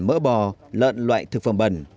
mỡ bò lợn loại thực phẩm bẩn